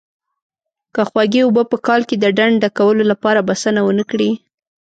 که خوږې اوبه په کال کې د ډنډ ډکولو لپاره بسنه ونه کړي.